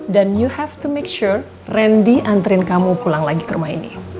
dan you have to make sure rendy anterin kamu pulang lagi ke rumah ini